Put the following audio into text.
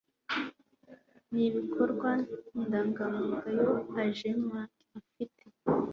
n Ibikorwa Ndangamuco AJEMAC ufite